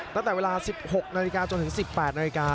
ตั้งแต่เวลา๑๖นาฬิกาจนถึง๑๘นาฬิกา